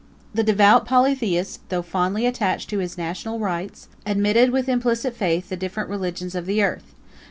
The devout polytheist, though fondly attached to his national rites, admitted with implicit faith the different religions of the earth.